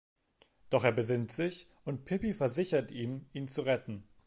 Doch er besinnt sich und Pippi versichert ihm, ihn zu retten.